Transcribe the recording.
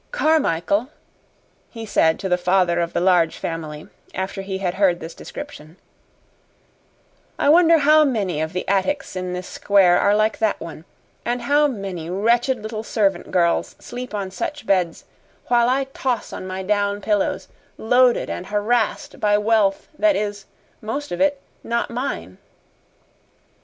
"Carmichael," he said to the father of the Large Family, after he had heard this description, "I wonder how many of the attics in this square are like that one, and how many wretched little servant girls sleep on such beds, while I toss on my down pillows, loaded and harassed by wealth that is, most of it not mine."